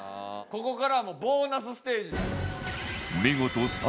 ここからはもうボーナスステージだ。